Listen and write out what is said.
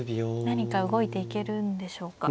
何か動いていけるんでしょうか。